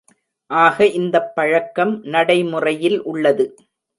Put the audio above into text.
ஆக இந்தப் பழக்கம் நடைமுறையில் உள்ளது.